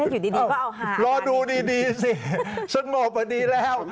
อยู่ดีก็เอาหาอาการนี้สิสงบอ่ะดีแล้ว